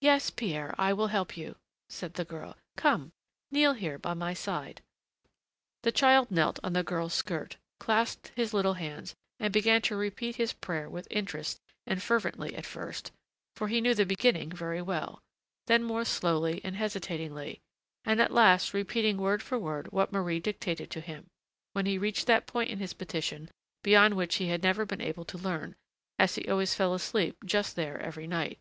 "Yes, Pierre, I will help you," said the girl. "Come, kneel here by my side." The child knelt on the girl's skirt, clasped his little hands, and began to repeat his prayer with interest and fervently at first, for he knew the beginning very well; then more slowly and hesitatingly, and at last repeating word for word what Marie dictated to him, when he reached that point in his petition beyond which he had never been able to learn, as he always fell asleep just there every night.